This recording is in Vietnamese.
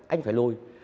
anh phải lôi